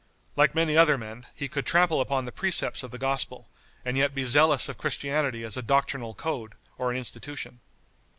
Like many other men, he could trample upon the precepts of the gospel, and yet be zealous of Christianity as a doctrinal code or an institution.